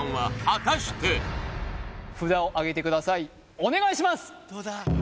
お願いします！